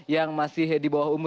yang masih di bawah umur